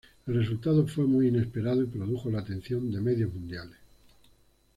El resultado fue muy inesperado y produjo la atención de medios mundiales.